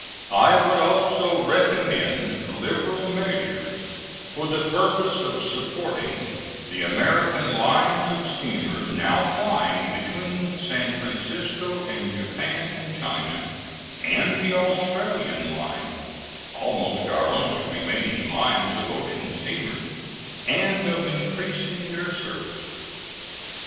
I would also recommend liberal measures for the purpose of supporting the American lines of steamers now plying between San Francisco and Japan and China, and the Australian line almost our only remaining lines of ocean steamers and of increasing their services.